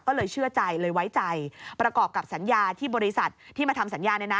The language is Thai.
ก็เลยเชื่อใจเลยไว้ใจประกอบกับสัญญาที่บริษัทที่มาทำสัญญาเนี่ยนะ